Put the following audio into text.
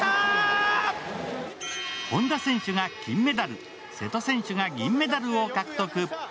本多選手が金メダル、瀬戸選手が銀メダルを獲得。